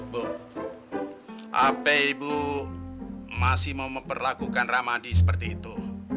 bu apa ibu masih mau memperlakukan ramadi seperti itu